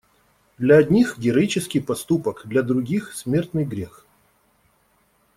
Для одних - героический поступок, для других - смертный грех.